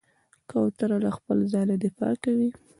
کوتره له خپل ځاله دفاع کوي.